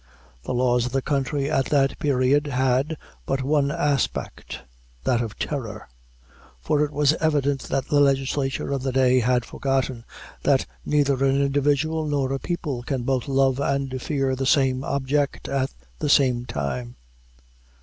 The laws of the country, at that period, had but one aspect that of terror; for it was evident that the legislature of the day had forgotten that neither an individual nor a people can both love and fear the same object at the same time.